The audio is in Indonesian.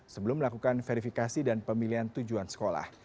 sebelum melakukan verifikasi dan pemilihan tujuan sekolah